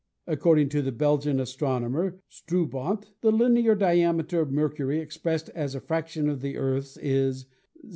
According to the Belgian astronomer, Stroobant, the linear diameter of Mercury expressed as a fraction of the Earth's is 0.